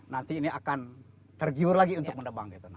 nanti ini akan tergiur lagi untuk mendebang gitu